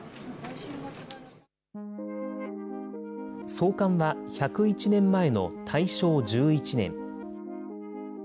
創刊は１０１年前の大正１１年。